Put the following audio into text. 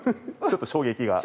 ちょっと衝撃が。